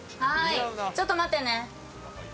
ちょっと待ってね。